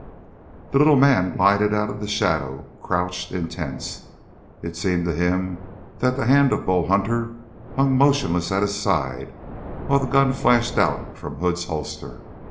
The little man glided out of the shadow, crouched, intense. It seemed to him that the hand of Bull Hunter hung motionless at his side while the gun flashed out from Hood's holster.